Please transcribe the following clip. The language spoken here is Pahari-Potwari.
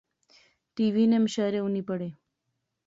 ٹی وی نے مشاعرے اُنی پڑھے